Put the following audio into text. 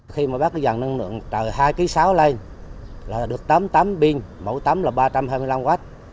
khi mà bác dặn năng lượng hai sáu kg lên là được tấm tám pin mẫu tấm là ba trăm hai mươi năm w